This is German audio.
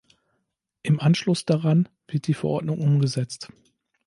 Im Anschluss daran wird die Verordnung umgesetzt.